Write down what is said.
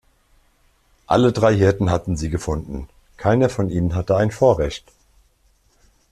Alle drei Hirten hatten sie gefunden, keiner von ihnen hatte ein Vorrecht.